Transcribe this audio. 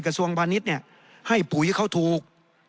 กระทรวงพาณิชย์ให้ปุ๋ยเขาถูก